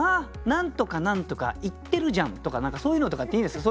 「何とか何とか言ってるじゃん」とか何かそういうのとかっていいんですか？